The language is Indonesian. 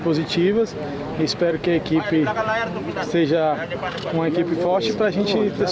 kita memiliki struktur